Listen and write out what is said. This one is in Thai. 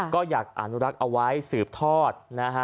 ก็อยากอนุรักษ์เอาไว้สืบทอดนะฮะ